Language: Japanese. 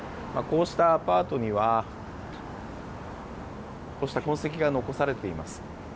こうしたアパートには痕跡が残されています。